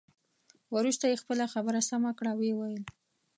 وروسته یې خپله خبره سمه کړه او ويې ویل.